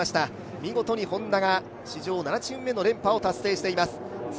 見事にＨｏｎｄａが史上７チーム目の連覇を達成しています。